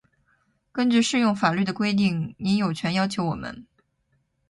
根据适用法律的规定，您有权要求我们：